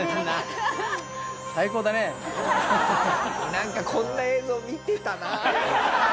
なんかこんな映像見てたな。